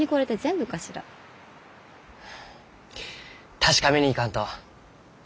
確かめに行かんと。